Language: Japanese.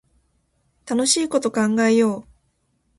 楽しいこと考えよう